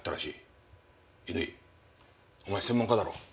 乾お前専門家だろ。